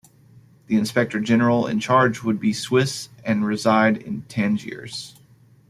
The Inspector-General in charge would be Swiss and reside in Tangiers.